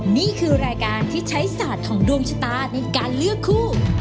นี่คือรายการที่ใช้ศาสตร์ของดวงชะตาในการเลือกคู่